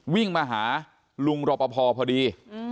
วิ่งมาหาลุงรบประพอพอดี